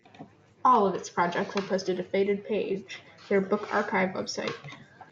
All of its projects are posted to Faded Page, their book archive website.